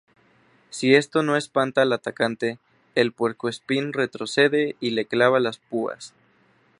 Si esto no espanta al atacante, el puercoespín retrocede y le clava las púas.